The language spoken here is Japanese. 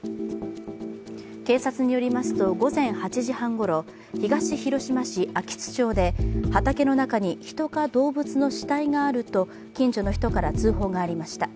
警察によりますと、午前８時半ごろ、東広島市安芸津町で畑の中に人か動物の死体があると近所の人から通報がありました。